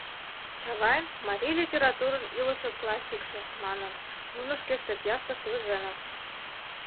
«Чавайн — марий литературын илыше классикше» манын, нуно шке статьяштышт возеныт.